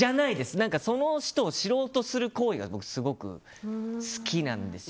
その人を知ろうとする行為が僕、すごく好きなんです。